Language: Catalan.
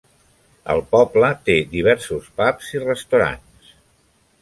El poble té diversos pubs i restaurants.